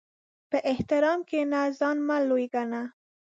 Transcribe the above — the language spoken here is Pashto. په احترام کښېنه، ځان مه لوی ګڼه.